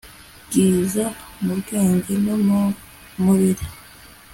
bwiza mu bwenge no mu mubiri